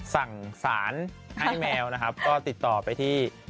สั่งสารให้แมวนะครับก็ติดต่อไปที่